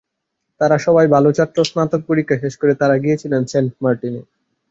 তাঁরা সবাই ভালো ছাত্র, স্নাতক পরীক্ষা শেষ করে তাঁরা গিয়েছিলেন সেন্ট মার্টিনে।